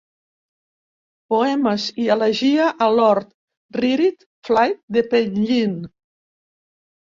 Poemes i elegia a Lord Rhirid Flaidd de Penllyn.